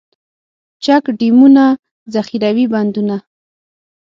چک ډیمونه، ذخیروي بندونه.